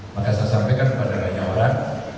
maka saya sampaikan kepada banyak orang